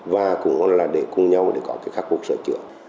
và cũng là để cùng nhau để có cái khắc phục sở trưởng